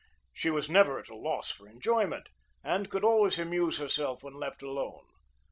She was never at loss for enjoyment, and could always amuse herself when left alone.